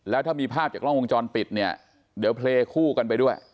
แล้วถ้ามีภาพจากกล้องวงจรปิดเนี่ยเดี๋ยวเพลย์คู่กันไปด้วย